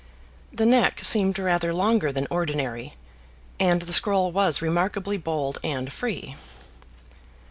The neck seemed rather longer than ordinary, and the scroll was remarkably bold and free.